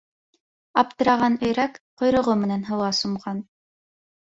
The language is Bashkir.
Аптыраған өйрәк ҡойроғо менән һыуға сумған.